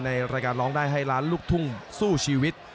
ในรายการร้องได้ให้ล้านลูกทุ่งสู้ชีวิต